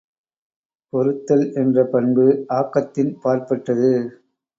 பொறுத்தல் என்ற பண்பு ஆக்கத்தின் பாற்பட்டது.